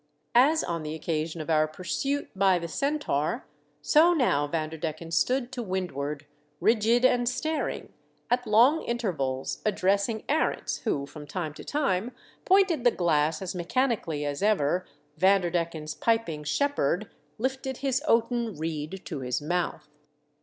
As on the occasion of our pursuit by the Centaur, so now Vanderdecken stood to windward, rioid WE SIGHT A SAIL. 35 1 and staring, at long intervals addressing Arents who, from time to time, pointed the glass as mechanically as ever Vanderdecken's piping shepherd lifted his oaten reed to his mouth.